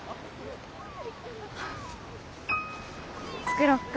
作ろっか。